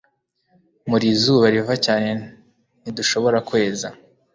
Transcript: Muri izuba riva cyane ntidushobora kweza